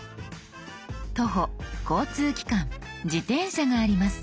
「徒歩」「交通機関」「自転車」があります。